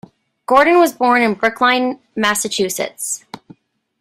Gordon was born in Brookline, Massachusetts.